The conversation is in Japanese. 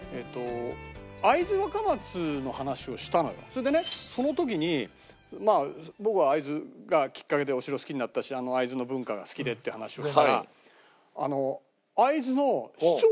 それでねその時にまあ僕は会津がきっかけでお城好きになったしあの会津の文化が好きでって話をしたら。